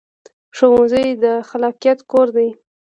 ښوونځی د خلاقیت کور دی